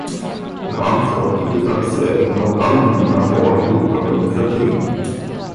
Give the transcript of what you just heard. Jag anser att digitaliseringen av allmänna val hotar demokratin.